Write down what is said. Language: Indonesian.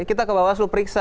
kita ke bawaslu periksa